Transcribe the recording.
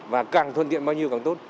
và càng thuận tiện bao nhiêu càng tốt